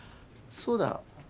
そうだ。